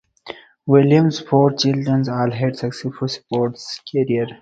Williams' four children all had successful sports careers.